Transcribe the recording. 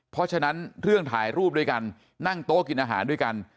เพราะฉะนั้นเรื่องถ่ายรูปด้วยกันนั่งโต๊ะกินอาหารด้วยกัน